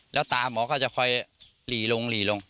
แล้วตาหมอก็จะคอยหลีลงหลีลง